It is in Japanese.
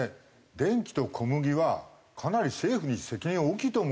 電気と小麦はかなり政府に責任は大きいと思うんだよ。